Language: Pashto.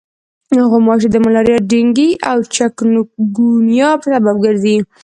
غوماشې د ملاریا، ډنګي او چکنګونیا سبب ګرځي.